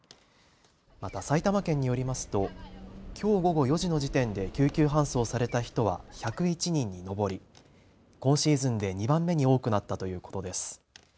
また埼玉県によりますときょう午後４時の時点で救急搬送された人は１０１人に上り今シーズンで２番目に多くなったということです。